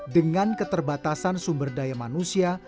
dengan keterbatasan sumber daya manusia